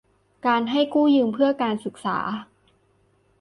การให้กู้ยืมเพื่อการศึกษา